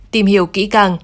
tìm hiểu kỹ càng